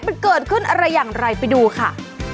มันเกิดขึ้นอะไรอย่างไรไปดูค่ะ